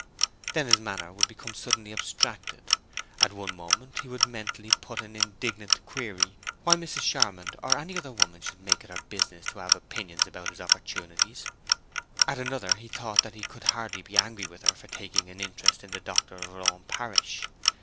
Then his manner would become suddenly abstracted. At one moment he would mentally put an indignant query why Mrs. Charmond or any other woman should make it her business to have opinions about his opportunities; at another he thought that he could hardly be angry with her for taking an interest in the doctor of her own parish.